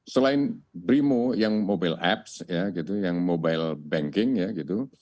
selain brimo yang mobile apps ya gitu yang mobile banking ya gitu